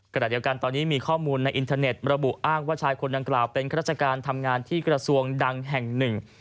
ขณะเดียวกันตอนนี้มีข้อมูลในอินเทอร์เน็ตระบุอ้างว่าชายคนดังกล่าวเป็นข้าราชการทำงานที่กระทรวงดังแห่งหนึ่ง